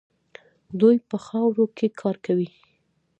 دوی په خاورو کې کار کوي.